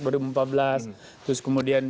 dua ribu empat belas terus kemudian